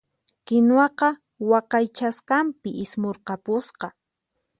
Kinuwaqa waqaychasqanpi ismurqapusqa.